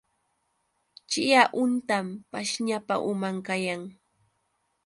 Chiya huntam pashñapa uman kayan.